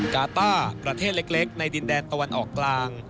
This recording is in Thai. กาต้าประเทศเล็กในดินแดนตะวันออกกลาง